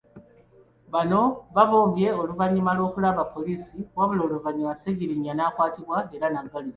Bano baabombye oluvannyuma lw'okulaba poliisi wabula oluvannyuma Ssegirinya n'akwatibwa era n'aggalirwa.